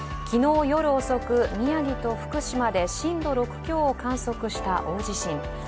昨日夜遅く、宮城と福島で震度６強を観測した大地震。